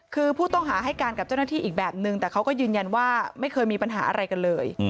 คือผู้ต้องหาให้การกับเจ้าหน้าที่อีกแบบนึงแต่เขาก็ยืนยันว่าไม่เคยมีปัญหาอะไรกันเลย